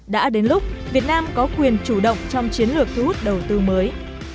đã đến lúc việt nam có quyền chủ động trong chiến lược thu hút đầu tư mới